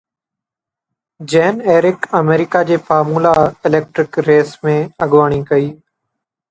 Jean-Éric America جي formula electric race ۾ اڳواڻي ڪئي